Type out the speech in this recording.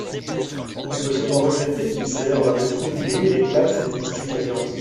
On peut seulement regretter qu'il célèbre avec trop de bruit et d'éclat cette mystique alliance.